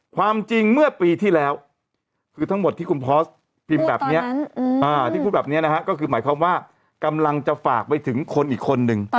ความจริงเมื่อปีที่แล้วคือทั้งหมดที่คุณพอสพิมพ์แบบนี้ที่พูดแบบนี้นะฮะก็คือหมายความว่ากำลังจะฝากไปถึงคนอีกคนนึง